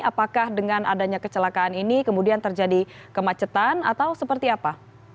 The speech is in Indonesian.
apakah dengan adanya kecelakaan ini kemudian terjadi kemacetan atau seperti apa